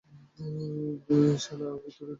শালা, ভীতুর ডিম তুই।